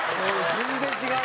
全然違う！